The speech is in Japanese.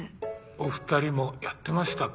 お２人もやってましたか。